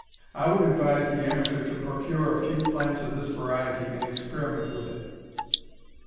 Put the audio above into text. I would advise the amateur to procure a few plants of this variety and experiment with it.